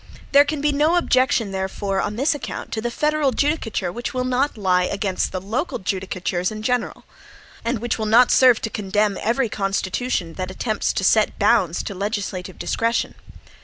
There can be no objection, therefore, on this account, to the federal judicature which will not lie against the local judicatures in general, and which will not serve to condemn every constitution that attempts to set bounds to legislative discretion.